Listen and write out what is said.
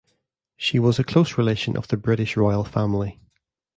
She was a close relation of the British Royal Family.